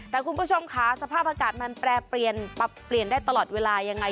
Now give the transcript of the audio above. แต่คุณผู้ชมค่ะสภาพอากาศมันแปรเปลี่ยนปรับเปลี่ยนได้ตลอดเวลายังไง